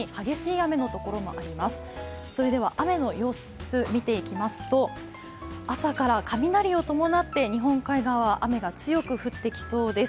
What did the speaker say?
雨の様子見ていきますと、朝から雷を伴って日本海側が雨が強く降ってきそうです。